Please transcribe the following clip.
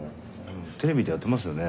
テレビでやってますよね。